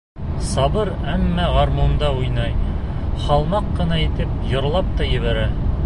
Сабыр, әммә гармунда уйнай, һалмаҡ ҡына итеп йырлап та ебәрә.